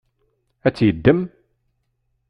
Ad tt-yeddem?